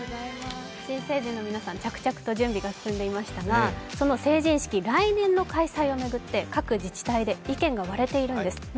新成人の皆さん、着々と準備が進んでいましたが、その成人式、来年の開催を巡って各自治体で意見が割れているんです。